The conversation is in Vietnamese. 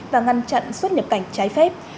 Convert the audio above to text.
và ngăn chặn xuất nhập cảnh trái phép